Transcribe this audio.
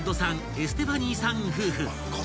エステファニーさん夫婦］